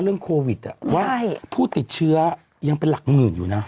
เรื่องโควิดว่าผู้ติดเชื้อยังเป็นหลักหมื่นอยู่นะ